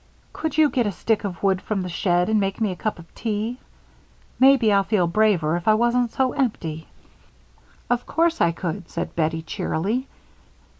"Could you get a stick of wood from the shed and make me a cup of tea? Maybe I'd feel braver if I wasn't so empty." "Of course I could," said Bettie, cheerily.